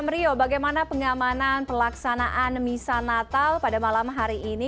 rio bagaimana pengamanan pelaksanaan misa natal pada malam hari ini